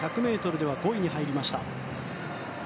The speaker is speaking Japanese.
１００ｍでは５位に入りました。